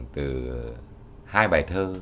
từ hai bài thơ